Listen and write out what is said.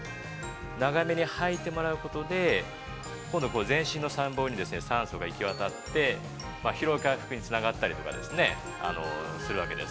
長めに吐いてもらうことで、今度全身に酸素が行き渡って疲労回復につながったりするわけです。